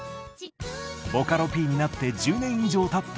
ボカロＰになって１０年以上たった